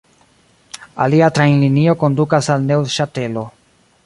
Alia trajnlinio kondukas al Neŭŝatelo.